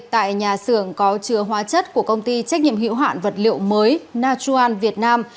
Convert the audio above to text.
tại nhà xưởng có chứa hóa chất của công ty trách nhiệm hữu hoạn vật liệu mới nachuan việt nam